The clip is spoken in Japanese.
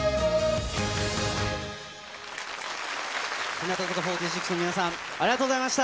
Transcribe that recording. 日向坂４６の皆さん、ありがとうございました。